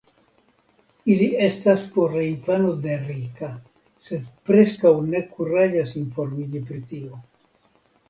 Ili estas por la infano de Rika, sed preskaŭ ne kuraĝas informiĝi pri tio.